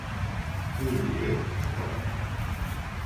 Obriré la porta.